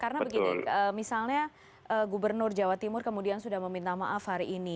karena begini misalnya gubernur jawa timur kemudian sudah meminta maaf hari ini